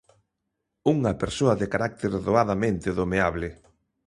Unha persoa de carácter doadamente domeable.